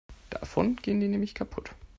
Davon gehen die nämlich kaputt.